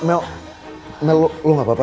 eh mel mel mel lu gapapa